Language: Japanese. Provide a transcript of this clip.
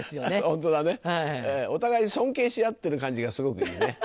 ホントだねお互い尊敬し合ってる感じがすごくいいね。